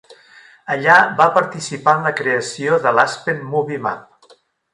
Allà va participar en la creació de l'Aspen Movie Map.